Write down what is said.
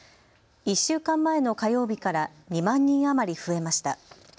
１週間前の火曜日から２万人余り増えました。